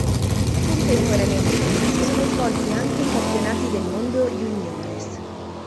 Contemporaneamente si sono svolti anche i Campionati del mondo juniores.